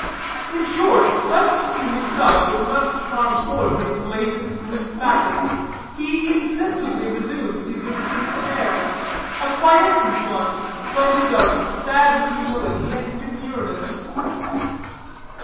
In short, left to himself, with none to charm forth his latent lymphatic, he insensibly resumes his original air, a quiescent one, blended of sad humility and demureness.